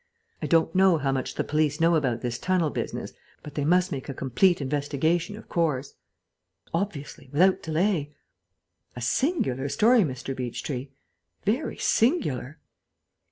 I don't know how much the police know about this tunnel business, but they must make a complete investigation, of course." "Obviously, without delay.... A singular story, Mr. Beechtree; very singular."